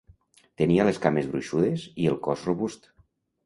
Tenia les cames gruixudes i el cos robust.